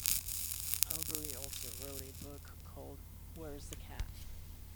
Albery also wrote a book called Where's the Cat?